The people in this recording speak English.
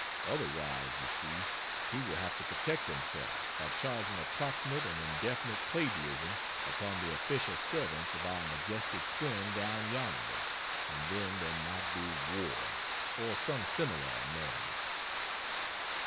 Otherwise, you see, he will have to protect himself by charging approximate and indefinite plagiarism upon the official servants of our majestic twin down yonder, and then there might be war, or some similar annoyance.